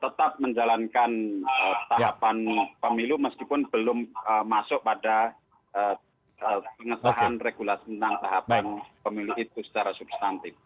tetap menjalankan tahapan pemilu meskipun belum masuk pada pengesahan regulasi tentang tahapan pemilu itu secara substantif